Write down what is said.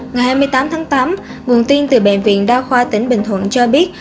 ngày hai mươi tám tháng tám nguồn tin từ bệnh viện đa khoa tỉnh bình thuận cho biết